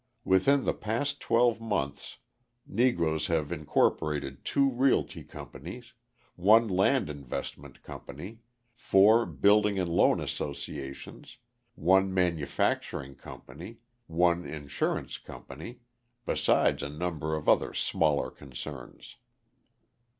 Within the past twelve months Negroes have incorporated two realty companies, one land investment company, four building and loan associations, one manufacturing company, one insurance company, besides a number of other smaller concerns.